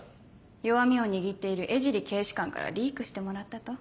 弱みを握っている江尻警視監からリークしてもらったと？